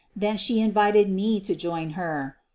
Then she invited me to join her.